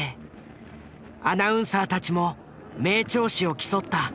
アナウンサーたちも名調子を競った。